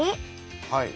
はい。